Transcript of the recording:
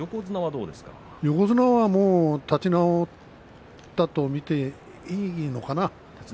横綱はもう立ち直ったとみていいのかな？